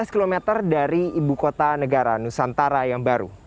lima belas km dari ibu kota negara nusantara yang baru